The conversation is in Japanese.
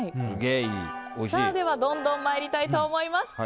ではどんどん参りたいと思います。